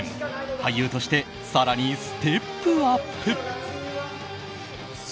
俳優として更にステップアップ。